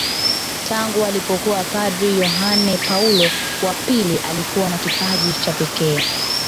Tangu alipokuwa padri Yohane Paulo wa pili alikuwa na kipaji cha pekee